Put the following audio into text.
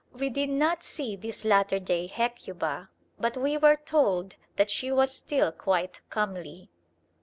We did not see this latter day Hecuba, but we were told that she was still quite comely.